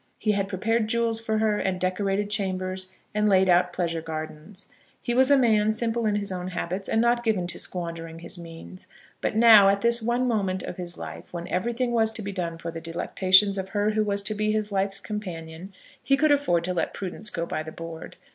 He had prepared jewels for her, and decorated chambers, and laid out pleasure gardens. He was a man, simple in his own habits, and not given to squandering his means; but now, at this one moment of his life, when everything was to be done for the delectation of her who was to be his life's companion, he could afford to let prudence go by the board.